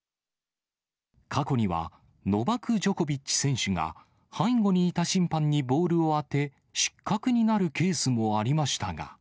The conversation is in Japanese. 過去には、ノバク・ジョコビッチ選手が、背後にいた審判にボールを当て、失格になるケースもありましたが。